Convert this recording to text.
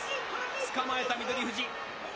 つかまえた翠富士。